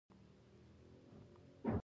دا د جېمز ټاون ښار جوړېدو سره پیل شو.